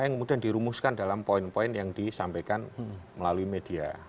yang kemudian dirumuskan dalam poin poin yang disampaikan melalui media